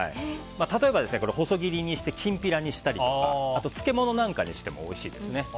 例えば、これを細切りにしてきんぴらにしたりとかあとは漬物にしたりしてもおいしいですね。